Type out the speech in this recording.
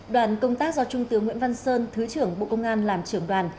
đoàn công tác do trung tướng nguyễn văn sơn thứ trưởng bộ công an làm trưởng đoàn